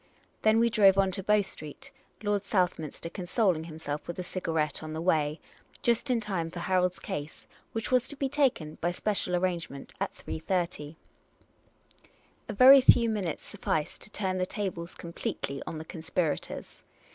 Then we drove on to Bow Street (Lord Southminster con soling himself with a cigarette on the way), just in time for Harold's case, which was to be taken, by special arrange ment, at 3.30. A very few minutes sufficed to turn the tables completely on the conspirators.